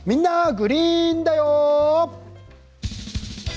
グリーンだよ」。